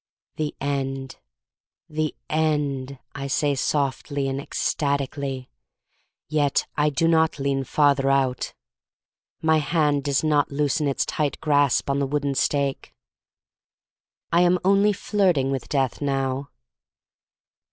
"The End, the End!" I say softly and ecstatically. Yet I do not lean farther 132 THE STORY OF MARY MAC LANE out. My hand does not loosen its tight grasp on the wooden stake. I am only flirting with Death now.